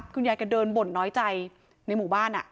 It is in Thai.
คุณยายก็เดินบ่นน้อยใจในหมู่บ้าน